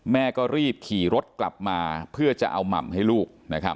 แม่ก็รีบขี่รถกลับมาเพื่อจะเอาหม่ำให้ลูกนะครับ